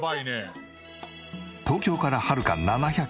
東京からはるか７００